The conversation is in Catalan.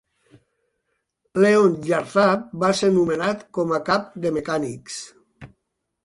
Leon Yarzab va ser nomenat com a cap de mecànics.